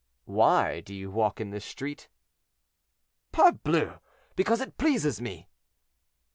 "Why do you walk in this street?" "Parbleu! because it pleases me."